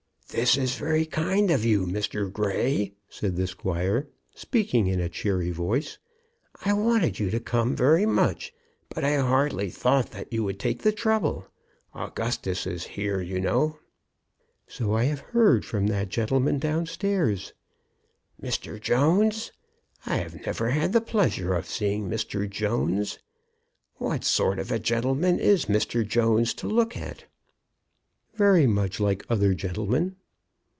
"This is very kind of you, Mr. Grey," said the squire, speaking in a cheery voice. "I wanted you to come very much, but I hardly thought that you would take the trouble. Augustus is here, you know." "So I have heard from that gentleman down stairs." "Mr. Jones? I have never had the pleasure of seeing Mr. Jones. What sort of a gentleman is Mr. Jones to look at?" "Very much like other gentlemen."